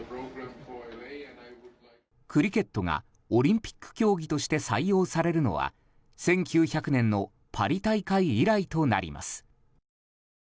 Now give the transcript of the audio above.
クリケットがオリンピック競技として採用されるのは、１９００年のパリ大会以来となります。